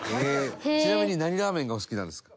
ちなみに何ラーメンがお好きなんですか？